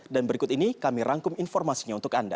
dan berikut ini kami rangkum informasinya untuk anda